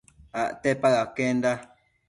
Acte paë aquenda